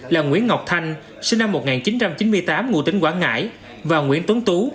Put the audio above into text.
là nguyễn ngọc thanh sinh năm một nghìn chín trăm chín mươi tám ngụ tính quảng ngãi và nguyễn tuấn tú